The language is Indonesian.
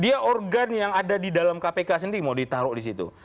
dia organ yang ada di dalam kpk sendiri mau ditaruh di situ